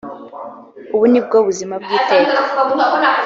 ubu ni bwo buzima bw iteka